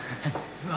うわ。